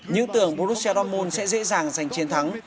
nhưng tưởng borussia dortmund sẽ dễ dàng giành chiến thắng